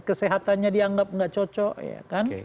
kesehatannya dianggap tidak cocok